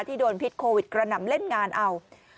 โดนพิษโควิดกระหน่ำเล่นงานเอา